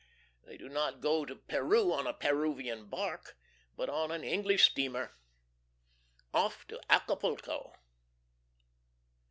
They do not go to Peru on a Peruvian bark, but on an English steamer. Off to Acapulco.